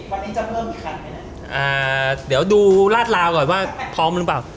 วันนี้จะเพิ่มอีกครั้งไหมอ่าเดี๋ยวดูลาดราวก่อนว่าพร้อมหรือเปล่า